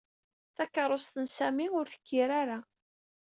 Takeṛṛust n Sami ur tekkir ara.